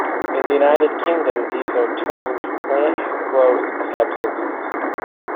In the United Kingdom, these are termed 'plant growth substances'.